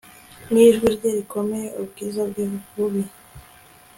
nijwi rye rikomeye, ubwiza bwe bubi